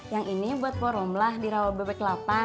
yang ini buat pak romlah di rawabebek delapan